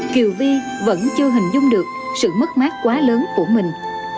kiều vi vẫn chưa hình dung được sự mất mát quá lớn của mình